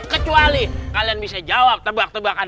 kecuali kalian bisa jawab tebak tebakan